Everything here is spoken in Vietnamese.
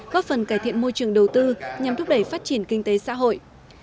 góp phần cải thiện môi trường đầu tư nhằm thúc đẩy phát triển kinh tế xã hội